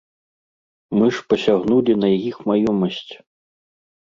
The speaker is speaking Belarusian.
Мы ж пасягнулі на іх маёмасць.